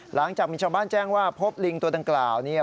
หลังจากมีชาวบ้านแจ้งว่าพบลิงตัวดังกล่าว